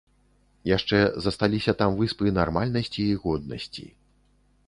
Яшчэ засталіся там выспы нармальнасці і годнасці.